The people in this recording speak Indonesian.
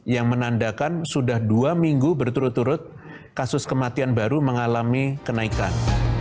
yang menandakan sudah dua minggu berturut turut kasus kematian baru mengalami kenaikan